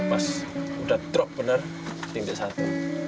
lepas udah drop bener tinggi satu